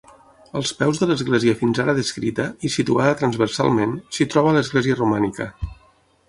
Als peus de l'església fins ara descrita, i situada transversalment, s'hi troba l'església romànica.